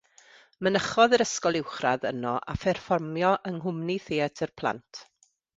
Mynychodd yr ysgol uwchradd yno a pherfformio yng Nghwmni Theatr Plant.